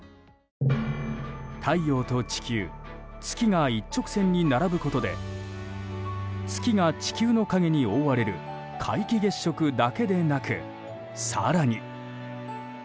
太陽と地球月が一直線に並ぶことで月が地球の影に覆われる皆既月食だけでなく、更に。